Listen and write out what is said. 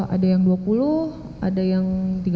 ada yang dua puluh ada yang tiga puluh